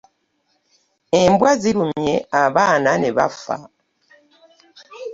Embwa zirumye abaana ne bafa.